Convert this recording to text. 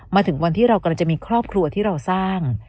มาถึงวันที่เรากำลังจะมีครอบครัวที่เราสร้าง